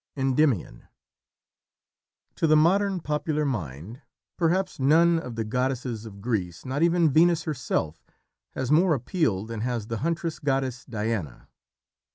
ENDYMION To the modern popular mind perhaps none of the goddesses of Greece not even Venus herself has more appeal than has the huntress goddess, Diana.